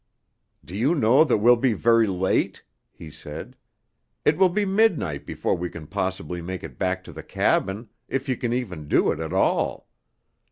"Do you know that we'll be very late?" he said. "It will be midnight before we can possibly make it back to the cabin, if you can even do it at all.